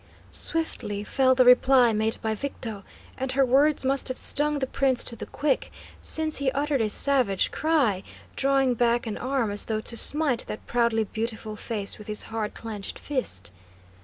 Swiftly fell the reply made by Victo, and her words must have stung the prince to the quick, since he uttered a savage cry, drawing back an arm as though to smite that proudly beautiful face with his hard clenched fist.